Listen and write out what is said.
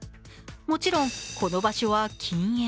もちろん、この場所は禁煙。